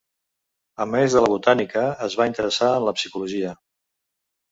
A més de la Botànica es va interessar en la Psicologia.